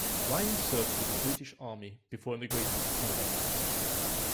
Riley served with the British Army before emigrating to Canada.